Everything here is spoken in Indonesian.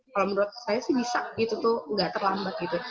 kalau menurut saya sih bisa gitu tuh nggak terlambat gitu